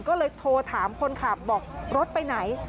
ก็เลยโทรถามคนขับบอกรถไปไหน